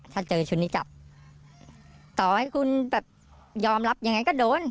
ถ้าเจอชุดนี้จับต่อให้คุณแบบยอมรับยังไงก็โดน